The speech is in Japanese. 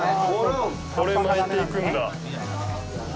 これ巻いていくんだ。